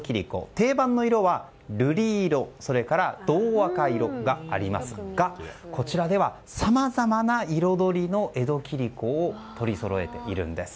定番の色は瑠璃色それから銅赤色がありますがこちらでは、さまざまな彩りの江戸切子を取りそろえています。